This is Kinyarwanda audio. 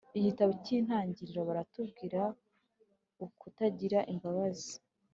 igitabo cy’intangiriro baratubwira ukutagira imbabazi